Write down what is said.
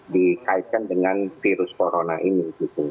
dikaikan dengan virus corona ini gitu